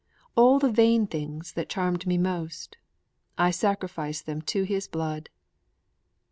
All the vain things that charm me most, I sacrifice them to His blood.